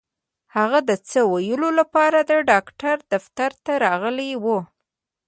هغه د څه ويلو لپاره د ډاکټر دفتر ته راغلې وه.